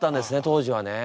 当時はね。